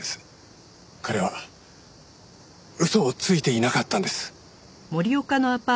彼は嘘をついていなかったんです。